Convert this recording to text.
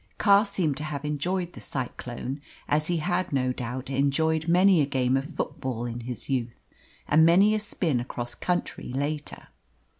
Carr seemed to have enjoyed the cyclone, as he had no doubt enjoyed many a game of football in his youth, and many a spin across country later.